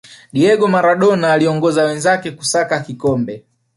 diego maradona aliongoza wenzake kusaka kikombe